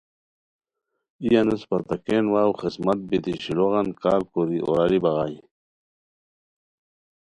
ای انوس پھتاکین واؤ خسمت بیتی شیلوغان کار کوری اوراری بغائے